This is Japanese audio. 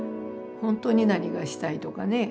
本当に何がしたいとかね。